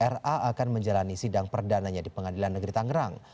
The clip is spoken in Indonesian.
ra akan menjalani sidang perdananya di pengadilan negeri tangerang